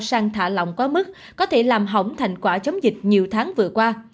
sang thả lòng quá mức có thể làm hỏng thành quả chống dịch nhiều tháng vừa qua